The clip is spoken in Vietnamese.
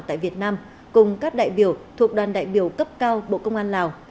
tại việt nam cùng các đại biểu thuộc đoàn đại biểu cấp cao bộ công an lào